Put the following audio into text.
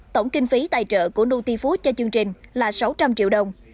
tổng kinh phí tài trợ của nutifood cho chương trình là sáu trăm linh triệu đồng